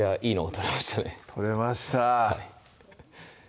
取れました